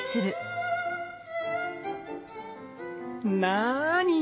なに？